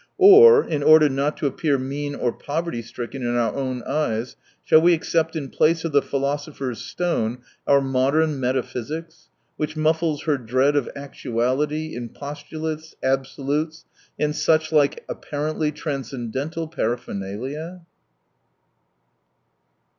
Or, in order not to appear mean or poverty stricken in our own eyes, shall we accept in place of the philosopher's stone our modern metaphysics, which muffles her dread of actuality in postulates, absolutes, and such like appar ently transcendental paraphernalia